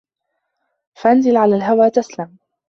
فَانْزِلْ عَنْ الْهَوَى تَسْلَمْ